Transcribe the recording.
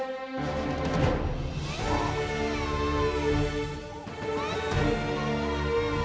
kamu lagi kalah